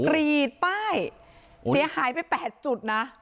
รีดป้ายเสียหายไป๘จุดนะ